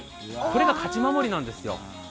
これが勝守なんですよ。